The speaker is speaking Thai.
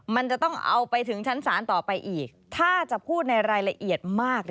มันจะต้องเอาไปถึงชั้นศาลต่อไปอีกถ้าจะพูดในรายละเอียดมาก